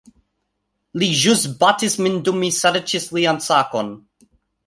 Li ĵus batis min dum mi serĉis lian sakon